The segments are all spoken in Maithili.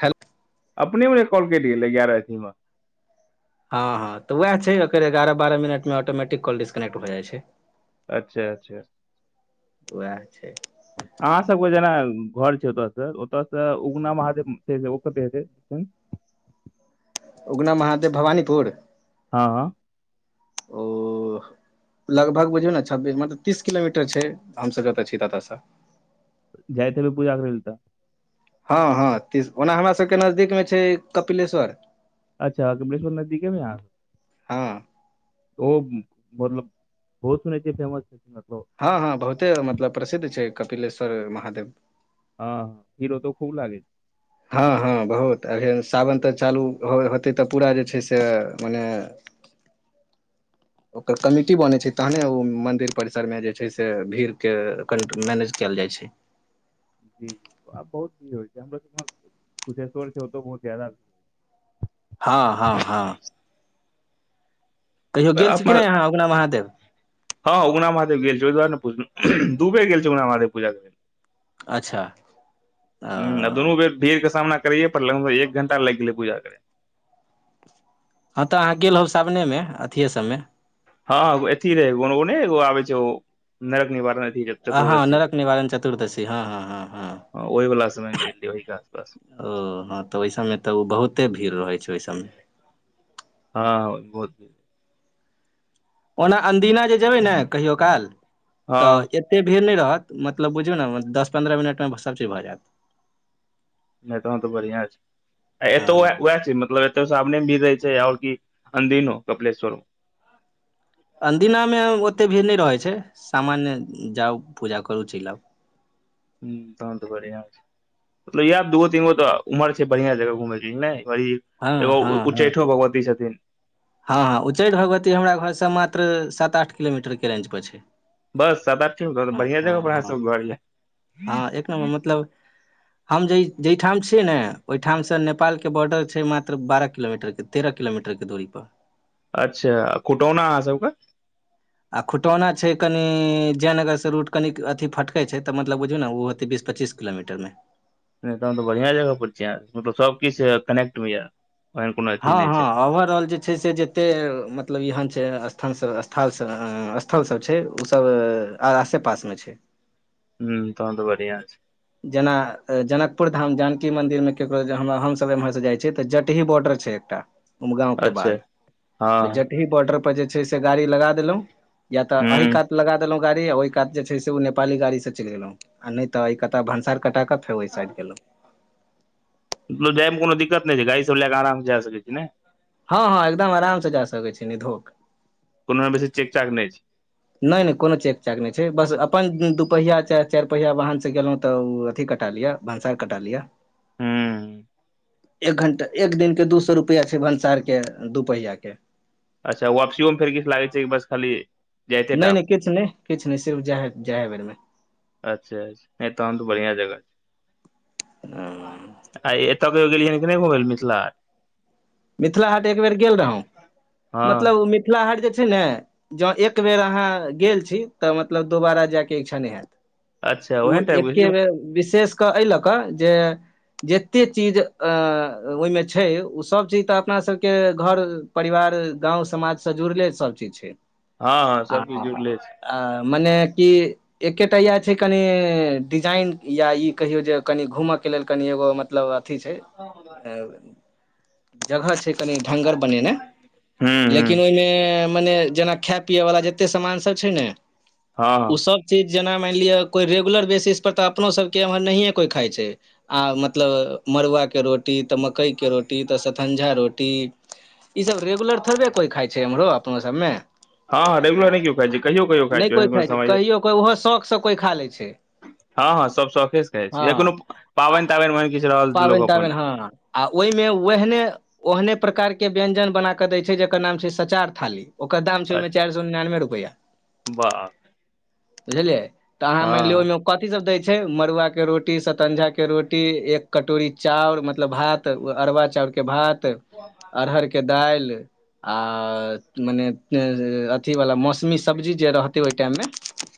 हलो। अपने मने कॉल कटि गेलै एगारह अथीमे हँ हँ तऽ उएह छै एकर एगारह बारह मिनटमे ऑटोमेटिक कॉल डिस्कनेक्ट भए जाइ छै, अच्छा अच्छा। उएह छै, अहाँ सब के जेना घर छै ओतय से ओतय से उगना महादेव छै ओ कते को [inaudible] उगना महादेव भवानीपुर हँ। ओ लगभग बुझियौ ने छ मतलब तीस किलोमीटर छै हमसब जतऽ छी तत सँ जाइत हेबै पूजा करैल तऽ हँ हँ त ओना हमरा सबके नजदीकमे छै कपिलेश्वर अच्छा कमलेश्वर नजदीेकेमे य यहाँ, हँ। ओ मतलब बहुत सुनै छियै फेमस छै मतल हँ हँ बहुते मतलब प्रसिद्ध छै कपिलेश्वर महादेव हँ भीरो तो खूब लागे हँ हँ, बहुत अभी सावन तऽ चालू हो होतै तऽ पूरा जे छै से मने [unintelligible] ओकर कमिटी बनै छै तहने ओ मन्दिर परिसरमे जे छै से भीड़के कंन मैनेज कयल जाइ छै, बहुत बहुत आब बहुत भीड़ होइ छै हमरो कुशेश्वर छै ओतो बहुत जदा भीड़ हँ हँ हँ। कहियो गेल छी कि नहि अहाँ उगना महादेव हँं उगना महादेव गेल छियै ओहि दुआरे ने पुछला दूबेर गेल छै उगना महादेव पूजा करैलेल। अच्छा। हु आ अ दुनू बेर भीड़ के सामना करिये पर लगभग एक घंटा लागि गेलै पूजा करैमे हँ तऽ अहाँ गेल होब सावनेमे अथिे ए सबमे। हँ एथी रहे ओ नरक निवारण अथी हँ-हँ चतुर्दशी नरक निवारण चतुर्दशी हँ हँ-हँ हँ ओहि वला समय मे -हँ। गेल रहियै ओहि के आसपास ओ हँ तऽ ओहि सभमे तऽ ओ बहुते भीड़ रहै छै ओहि सभमे। हँ बहुते ओना अन्दिना जे जेबै ने कहियो काल हँ तऽ। एते भीड़ नहि रहत मतलब बुझियौ नऽ दस पन्द्रह मिनटमे सभचीज भऽ जायत। नहि तहन तऽ बढ़िआं छै आ एतौ हँ उएह छै मतलब। सावने मे भीड़ रहे छै आओर अदि नो कपिलेश्वरो। अदिनामे ओतेक भीड़ नहि रहैत छै सामान्य जाउ पूजा करू चलि आउ। ह तहन तऽ बढ़िआ छैय। मतलब इह दूगो तीन उमर छै बढ़िया जगह घुमय हँ एगो हँ हँ उच्चैठो भगवती छथिन। हँ हँ उच्चैठ भगवती हमरा घरसँ मात्र सात आठ किलोमीटरके रेंज पर छै। बस सादीक हँ बढ़िआ जगह हँ हँ पर हँ घर। हँ एक नम्बर मतलब हम जाहिठाम छियै ने ओहिठामसँ नेपालके बॉर्डर छै मात्र बारह किलोमीटर के। तेरहिलोमीटर दूरी पर। अच्छा कुटौना अहाँ सबके। आ खुटौना छै कनि जयनगरसँ रूट कनि अथी फटकैत छै तऽ मतलब बुझियौ ने ओ होतै बीस पच्चीस। किलोमीटरमे। नहि तहन तऽ बढ़िया जगह पर छी मतलब सब किछ कनेक्ट में या। हँ हँ ओवर रहल छैय। छै से जते मतलब एहन छै स्थल सब स् स्थल सब छै उसब आओर आसे पासमे छैय। हु तहन तऽ बढ़ियाआँ छै। जेना जनकपुर धाम जानकी मन्दिरमे ककरो हमसभ एम्हरसँ जाइ छियै तऽ जटही बॉर्डर छै। तऽ उमगाँंव के अच्छा बाद हँ जटही बॉर्डर पर जे छै से गाड़ी लगा देलहुं या तऽ एहि ह कात। लगा देलो गाड़ी आ ओहि कात जे छै ओ नेपाली गाड़ी से चल गेलहुं नहि तऽ क भनसार कटा क। फेरो ओहिइड गेलेलो। मतलब जाइमे को दिक्कत नहि छै गड़ी सब लए कऽ आराम से जा सकिय ने। हँ हँ एकदम आराम से जा सकैत छी निधोक। कोनो बेसी चेक चाक नहि छै। नहि नहि कोनो चेक चाक नहि छै बस अपन दूपहिया चारि पहिया वाहनसँ गेलहुँ तऽ ओ अथी कटा लिअ। भंसार कटा लिय ह एक घंटा एक दिन के दू सए रुपष रुपया छै भनसार के दू पहिया के। अच्छा वापसियोमे फेर किछु लागै छै कि बस खाली। जाइते टा नहि नहि किछु नहि किछु नहि सर्फ जा जाए है बेरमे। अच्छा तहन तऽ बढ़आ जगह छै आ। तब कयो गेलियनि कि नहि घुमे लऽ मिथिलाहाट। मिथिलाहाट एक बेर गेल रहौ हँ मतलब ओ मिथिला हाट जे छै ने। जँ एक बेर अहाँ गेल छी तऽ मतलब दोबारा जायके इच्छा नहि हैत। अच्छा ओ ओहन टाइप एके के बेर विशेष कऽ एहि लऽ कऽ जे। जतेक चीज अऽ ओहिमे छै ओसभ चीज।। तऽ अपना सबके घर परिवार गाँंव समाज सऽ जुड़ले सब चीज छै। हँ आ सब चीज जुड़ले छै। आ मने कि एकेटा इह छै कनि डिजाइन या ई कहियौ जे कनि घूमय के लेल कनि एगो मतलब अथी छै जगह छै कनि ढंगर बनेना हूं हूं लेकिन ओहिमे मने जेना ख पियए वला जते सामान सब छै ने हँ [inaudible] ओ हँ सब चीज जेना माइन लिअ कोइ रेगुलर बेसिस पर तऽ अपनो सब के एमहर नहिए कोई खाइ छै आ मतलब मरुआ कऽ रोटी तऽ मक्कइके रोटी तऽ सतंझा रोटी ईसभ रेगुलर थोबे कोइ खाइ छै एम्हरो अपनो सभ में हँ रेगुलर नै केयो खायइ छै कहियो को खाय नहि छै कोइ कोनो खाइ समय कहियो कोइ ओहो शौकसँ कोइ खा लै छै [unintelligible] हँ हँ सभ शौखेसँ कहै छै हँ या कोनो आ पावैन ताबैन उहने किछु रहल पाबनि लोक अपन ताबनि हँ आ ओइमे ओहने ओहने प्रकार के व्यंजन बना केँ दै छै जकर नाम छै सचार थाली ओकर दाम छै ओइमें चाइर सौ निनानबे रुपआ वाह [inaudible] बुझलियै तऽ अहाँ माइनलिअ हँ ओहिमे कथीसभ दै छै मरुआके रोटी संतझाके रोटी एक कटोरी चाउर मतलब भात अरबा चाउर केँ भात अरहर केँ केँ दाइल आ मने [unintelligible] अथी बाला मौसमी सब्जी जे रहतै ओइ टाइम में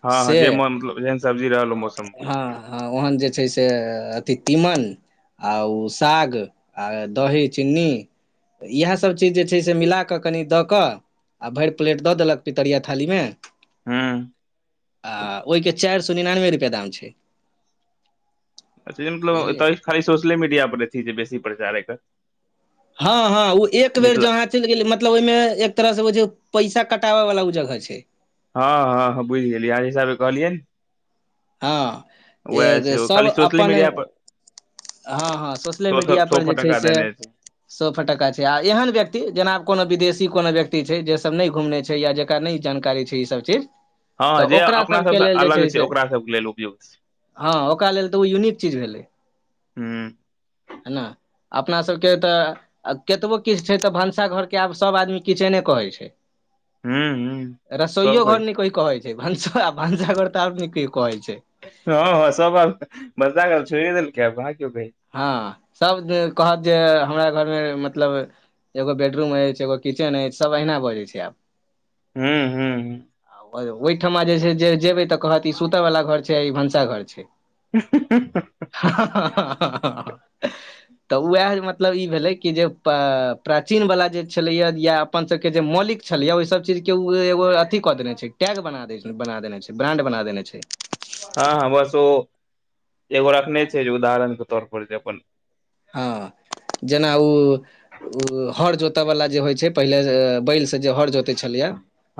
हँ से [unintelligible] सब्जी रह ओ मौसम ह ह ओहन जे छै से अथी तीमन आ उऽ साग आ दही चिन्नी तऽ इएह सभ चीज जे छै से मिला कऽ कनि दऽ कऽ आ भैर प्लेट दऽ देलक पितरिया थाली में हू आ ओइ केँ चाइर सौ निनानबे रुपैआ दाम छै अच्छा इ बुझलियै मतलब खाली सोशले मीडिया पर एथि बेसी प्रचारे एकर हँ हँ ओ एक बेर मिथिला जहां है चैल गेल मतलब ओइमें एक तरह से हो छै पैसा कटाबै वला ओ जगह छै हँ हँ बुझि गेलियै आहाँ हिसाबे कहलियै हँ वएह छै [unintelligible] ओ सब खाली सोशले अपन मीडिया पर हँ हँ सोशले सौ सौ मीडिया सौ पर जे छै फटक्का से देने छै सोह फटक्का छै आ एहन व्यक्ति जेनाब कोनो विदेशी कोनो व्यक्ति छै जे सब नै घुमने छै या जे नै जानकारी छै ई सब चीज हँ तऽ जे ओकरा अपना सबके सबसँ लेल जे अलग छै से ओकरा सबके लेल उपयुक्त छै हँ ओकरा लेल तऽ ओ यूनिक चीज भेलै हूँ [inaudible] है न अपना सब केँ तऽ आ कतबो किछ छै तऽ भनसाघर केँ आब सभ आदमी किचने कहय छै हूँ हूँ [inaudible] सब रसोइयो घर नै कोइ कहै छै भस भंसाघर तऽ और नै कोइ कहै छै हँ हँ सब आब भनसा घर छोड़ देलक ह ह‌‌आब‌ कहाॅंकियो कहय छै हँ सभ जे कहत जे हमरा घर में मतलब एगो बेडरूम अछि एगो किचेन अछि सब अहिना बजै छै आब [unintelligible] ओय ओयठमा जे छै जेबै तऽ कहत ई सुतै वला घर छै आ ई भनसा घर छै [unintelligible] [unintelligible] तऽ उहै मतलब ई भेलै कि जे प्राचीन वला जे छलै ए अपन सब केँ जे मौलिक छलियै ओहि सब चीज केँ उऽ एगो अथी कऽ देने छै टैग बना दे बना देने ब्रांड बना देने छै हँ हँ बस ओ [inaudible] एगो रखने छै जे उदाहरण के तौर पर जे अपन हँ जेना ओ हर जोतय वला जे होइ छै पहिले बैल जे हर जोते छलै य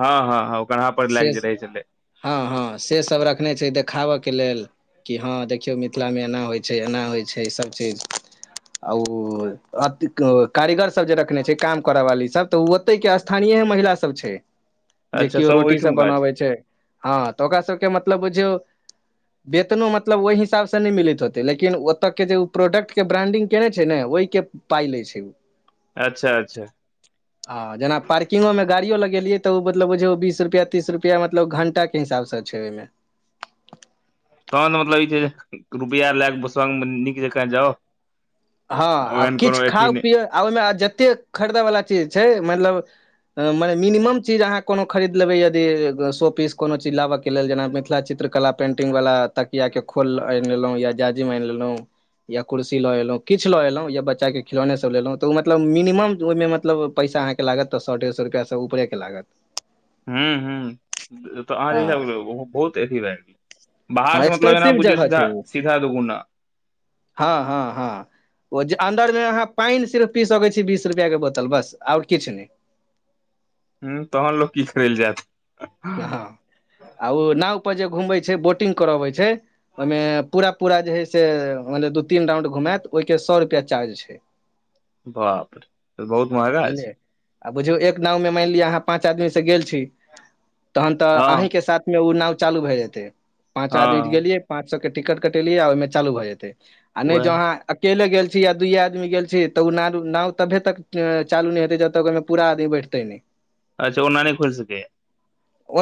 हँ हँ हँ ओ कान्हा पर [inaudible] लए से कऽ जे रहै छलै हँ हँ से सब रखने छै देखाब के लेल कि हँ देखियौ मिथिला मे एना होइ छै एना होइ छै सबचीज आओर कारीगर सब जे रखने छै काम करऽ वाली सब तऽ उ ओते के स्थानीय महिला सब छै जे कियो रोटी सब बनाबै छै हँ तऽ ओकरा सबके मतलब बुझियौ बेतनो मतलब ओई हिसाब से नै मिलैत होते लेकिन ओतऽ के जे उ प्रोडक्ट के प्राडिंग केने छै ने ओहि के पाय लै छै उ अच्छा अच्छा आ जेना पार्कंगों गाड़ियो लगेलियै तऽ मतल बुझयौ बीस रुपआ तीस रुपैआ मतलब घंटा के हिसाबसँ छै ओहिमे तहन मतलब ई छै रुपआ लए ब संग मे नीक जकाँ जाउ हँ आ ओहन किछु कोनो अथी खाउ नहि पिय आ ओईमे जते खरीदवला चीज छै मतलब मने मिनिमम चीज अहाँ कोनो खरीद लेबै यदि शो पीस कोनो चीज लाबय के लेल जेना मिथिला चित्र कला पेंटिंग वाला तकिया के खोल आनि लेलौं या जाजिम आनि लेलौं या कुर्सी ल एलौं किछ लऽ एलौं या बच्चाके खिलौने सब ल लेलौं तऽ मतब मिनिमम ओई मे मतलब पैस अहाँके लागतऽ स ढेर सए रुपआ स उपरे के लागत हूँ हूँ हँ तऽ अहाँ [unintelligible] बाहर हँ स मतलब एना एक्सपेंसिव बुझियौ जगह सीधा छै ओ सीधा दुगुना हँ हँ हँ, ओ जे अंन्दर मे अहाँ पानि सिर्फ पी सकैत छी बीस रुपआ के बोतल बस आओर किछु नै उ तहन लोक की करैलए जायत हँ आ ओ नाव प जे घूमबै छै बोटिंग करबै छै ओईमे पूरा पूरा जे है से माएन लिय दू तीन राउंड घुमात ओई के सए रुपआ चार्ज छै बाप रे बहुत महगा छै बुझलियै आ बुझियौ एक नाव मे मानि लिअ अहाँ पाँच आदमी स गेल छी तहन तऽ अहीं हँ के साथ,, उ नाव चालू भए जेतै पाँच आदमी तऽ हँ गेलियै पांच सो के टिकट कटेलीयै आ ओई मे चालू भए जेते आ नै जो उएह अहाँ अकेले गेल छी या दुये आदमी गेल छी छी तऽ उ नाव तभे तक चालू नै हेते जब तक ओईमे पूरा आदमी बैठतै नै अच्छ ओना नै खुसकैया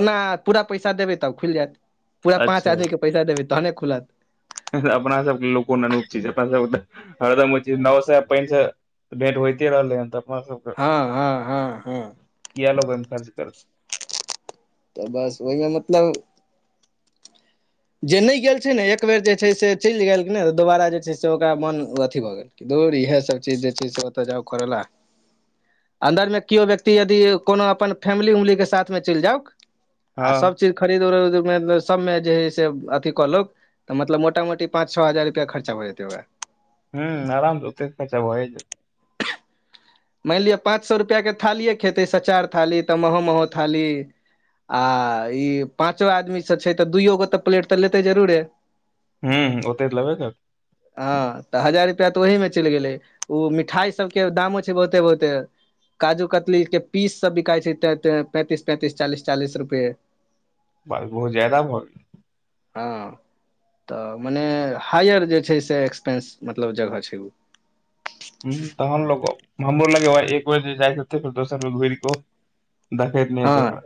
ओना पूरा पैसा देबै तब खुलि जायत पूरा अच्छा पाँच आदमीे पैसा देबै तहने खुलत,, अपना सबके लोको अनुप छी अपना सब हरदम नओ सए पै सए तऽ भेंट होइते रहलै हन तऽ अफा सब हँ हँ हँ हँ, किया लोग अई मे खर्च करत तऽ बस ओहिमे मतलब जे नै गेल छै ने एक बेर जे छै से चलि गेएल कि ने तऽ दोबारा जे छै से ओकरा मन अथी भऽ गेएल कि दौर इएह सब चीज जे छै से ओतय जाउ करै लए। अन्दरमे किओ व्यक्ति यदि कोनो अपन फैमिली उमली के साथमे चलि जाउक। आ हँ सब चीज खरीद उरीद सबमे जे हइ से अथी कलौक तऽ मतलब मोटा मोटी पाँच छ हजार रुपआ खर्चा भ जेतै ओकरा। हू आराम स ओते खर्चा भए जेतै मानि लिअ पाँच सए रुपैआके थालिए खेतै सचार थाली तऽ महो महो थाली। आ ई पाँचो आदमीसँ छै तऽ दुइो गो तऽ प्लेट तऽ लेतै जरूरे। हू ओते तऽ लेबे करतै ह तऽ हजार रुपआ तऽ ओहिी में चलि गेलै ओ मिठाई सब के दामो छैय बहुते बहुते। काजू कतलीक के पीस सब बिकाइ छैय त पैंतीस पैंतीस चालीस चालीस रुपये। बात बहो जााद भ गेल। हँ। तऽ मने हायअर जे छैय से एक्सपेंस मतलब जगह छैय ओ। ह त हमलोग हमरोर लगे एक बजे जाइकेते फर दोसरो बेर घुरी क दखाइत नहि हँ हेतै ओकरा।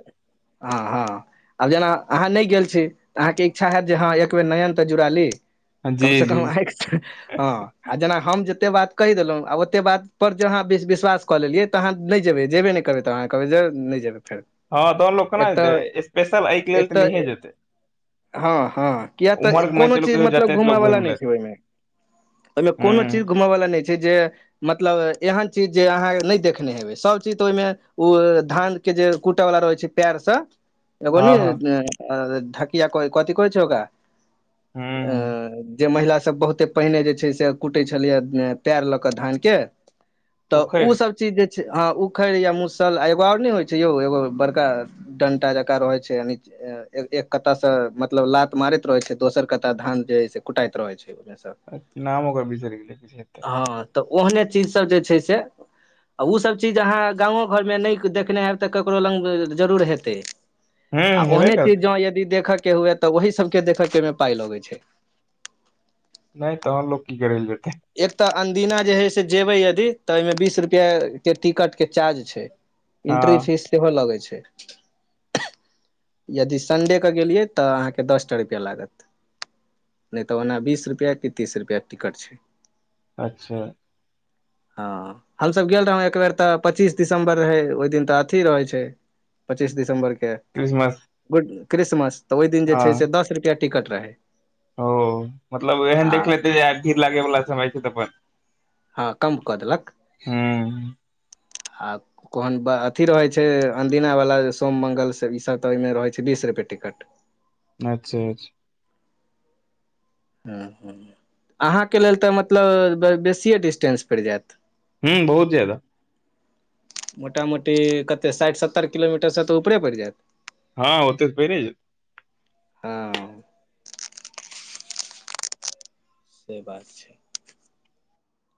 हँ हँ आब जेना अहाँ नहि गेल छी तऽ अहाँके इच्छा हयैत जे हँ एक बेेर नयन तऽ जुड़ा ली। जी कम से कम जी आएक हँ आ जेना हम जतेक बात कहि देलहुँ आ ओतेक बात परर जे अहाँ विश्वास कऽ लेलियै तऽ अहाँ नहि जेबै जेबे नहि करबै। तऽ कहब जा नहि जाबै फेर। हँ तहन लोक केना एक तऽ जेतै स्पेशल एहिके लेल तऽ नहिए जेतै। हँ हँ किया तऽ उम्हर के मानि कऽ कोनो चलू चीज कहियो मतलब जेतै तऽ घूमय लोक वला घुमि नहि लेत छैय ओहिमे। ओहिमे कोनो चीज हुँ घूमय वला नहि छैय जे मतलब एहन चीज जे अहाँ नहि देखने हेबै सभ चीज तऽ ओहिमे ओयमे धान के जे कूटे वला रहै छैय पेर से एगो हँ ने हँ ढकिया कथि कहै छैय ओकरा अ हुँ जे महिला सब बहुते क छल प ल ध के त उखैड़ ओ सब चीज जे हँ उखड़ या मुसल आ एगो आओर नहि होइ छैय यौ यौ बड़का डंटा जकार रहै छैय यानी एक कत्ता से मतलब लात मारैत रहे छैय दोसर कत्ता धान जे से कुटाैत रहे छैय। [inaudible] नाम ओकर विचार गेली किछ हेतै। हँ तऽ ओहने चीज सब जे छै से ओ सब चीज अहाँ गाँव घर मे नहि देखने हेब तकरो ल जरूर हेतै हुँ आ ओ हेबे करतै चीजह तऽ ओही सभके देखऽके एहिमे पाइ लगै छैय। नहि तहन लोक की करैल जेतै। एक तऽ अन्दिना जे है से जेबे यदि तऽ ओहिमे बीस रुपआ के टिकट के चार्ज छैय। इंट्री हँ फीस सेहो लगै छैय। यदि संडेके गेलियै तऽ अहाँके दस टा रुपैआ लागत। नहि तऽ ओना बीस रुपैआ कि तीस रुपैआके टिकट छैय। अच्छा हँ हमसभ गेल रहौ एक बेेर तऽ पच्चीस दिसम्बर रहै ओहि दिन तऽ अथी रहै छैय। पचीस दिम्बरके। क्रिसमस गुड क्रिसमस तऽ ओहि दिन जे हँ छैय से दस रुपैआ टिकट रहै। ओ मतलब एहन आ देख लेतै जे आ भीड़ लागे वालला समय छैय तऽ अपन हँ कम कऽ देलक। हूं [unintelligible] कोहन अथी रहै छैय अदीनावला सोम मङ्गलसँ ईसब तऽ ओहिमे रहै छैय बीस रुपैए टिकट। अच्छा अच्छा ह ह अहाँके लेल तऽ मतलब बेसिए डिस्टेंस पड़ि जायत। हूँ बहुत ज्यादा। मोटा मोटी कतेक साठि सत्तरि किलोमीटरसँ तऽ ऊपरे पड़ि जायत। हँ ओते परी ज हँ से बात छैय।